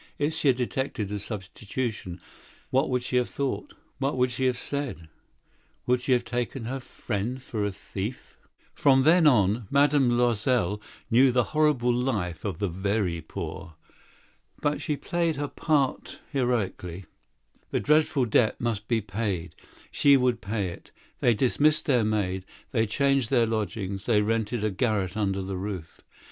If she had detected the substitution, what would she have thought, what would she have said? Would she not have taken Madame Loisel for a thief? Thereafter Madame Loisel knew the horrible existence of the needy. She bore her part, however, with sudden heroism. That dreadful debt must be paid. She would pay it. They dismissed their servant; they changed their lodgings; they rented a garret under the roof.